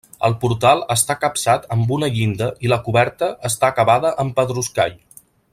El portal està capçat amb una llinda i la coberta està acabada amb pedruscall.